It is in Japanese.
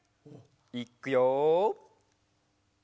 いっくよ！